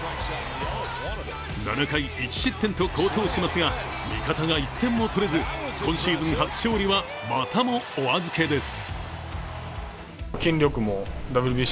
７回１失点と好投しますが、味方が１点も取れず、今シーズン初勝利はまたもお預けです。